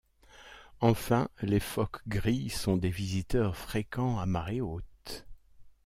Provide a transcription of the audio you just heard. Enfin, les phoques gris sont des visiteurs fréquents à marée haute.